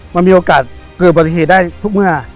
มันมีโอกาสเกลือบริเทศได้ทุกเมื่อ